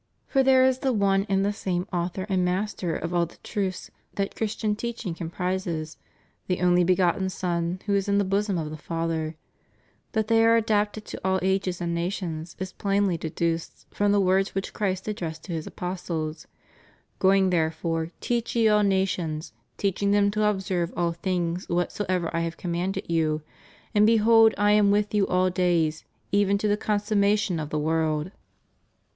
For there is the one and the same Author and Master of all the truths that Christian teaching comprises: the only' begotten Son who is in the bosom of the Father} That they are adapted to all ages and nations is plainly deduced from the words which Christ addressed to His apostles: \joing therefore teach ye all nations: teaching them to observe \dl things whatsoever I have commanded you: and behold I %m with you all days even to the consummation of the world?